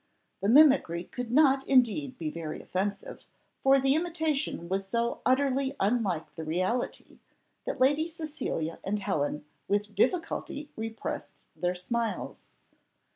The mimicry could not indeed be very offensive, for the imitation was so utterly unlike the reality, that Lady Cecilia and Helen with difficulty repressed their smiles.